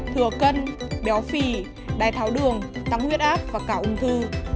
thừa cân béo phì đai tháo đường tăng huyết áp và cả ung thư